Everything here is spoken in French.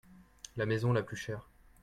La maison la plus chère.